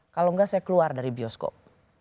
kalau enggak saya keluar dari bioskop